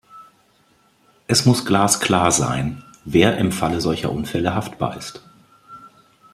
Es muss glasklar sein, wer im Falle solcher Unfälle haftbar ist.